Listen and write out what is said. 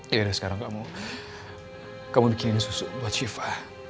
yaudah sekarang kamu bikinin susu buat syifa